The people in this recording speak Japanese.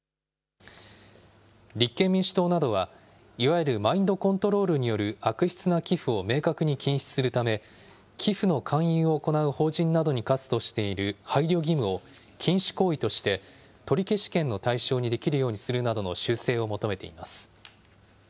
立憲民主党などは、いわゆるマインドコントロールによる悪質な寄付を明確に禁止するため、寄付の勧誘を行う法人などに科すとしている配慮義務を禁止行為として取消権の対象にできるようにするなどの修正を求めています。